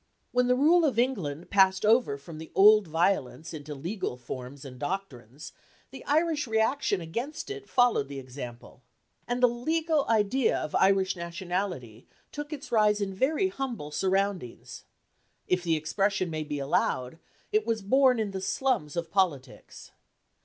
When the rule of England passed over from the old violence into legal forms and doctrines, the Irish reaction against it followed the example. And the legal idea of Irish nationality took its rise in very humble surroundings; if the expression may be allowed, it was born in the slums of politics.